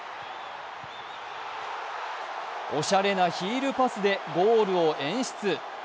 おしゃれなヒールパスでゴールを演出。